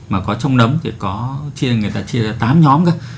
mà có trong nấm thì người ta chia ra tám nhóm cơ